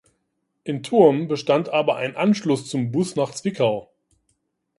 In Thurm bestand aber ein Anschluss zum Bus nach Zwickau.